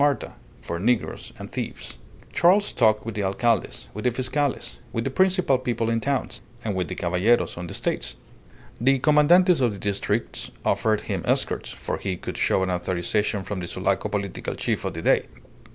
Marta, for negroes and thieves." Charles talked with the alcaldes, with the fiscales, with the principal people in towns, and with the caballeros on the estates. The commandantes of the districts offered him escorts for he could show an authorization from the Sulaco political chief of the day.